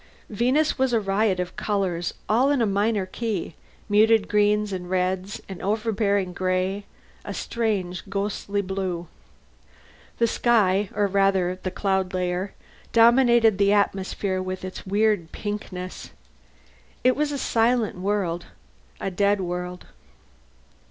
Venus was a riot of colors, all in a minor key: muted greens and reds, an overbearing gray, a strange, ghostly blue. The sky, or rather the cloud layer, dominated the atmosphere with its weird pinkness. It was a silent world a dead world.